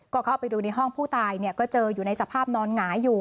ก็เข้าไปดูในห้องผู้ตายก็เจออยู่ในสภาพนอนหงายอยู่